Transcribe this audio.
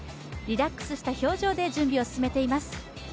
リラックスした表情で準備を進めています。